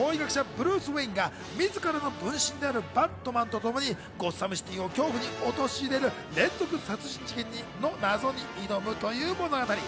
ブルース・ウェインが自らの分身であるバットマンとともにゴッサムシティを恐怖に陥れる連続殺人事件の謎に挑むという物語。